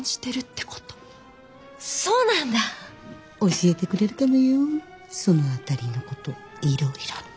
教えてくれるかもよその辺りのこといろいろとね。